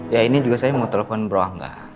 ya ini juga saya mau telepon bro angga